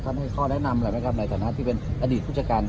ท่านให้ข้อแนะนำอะไรไม่ครับในสถานที่เป็นอดีตผู้จัดการทะมก